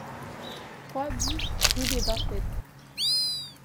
trois BIS rue des Barthètes